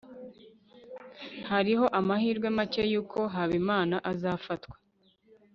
hariho amahirwe make yuko habimana azafatwa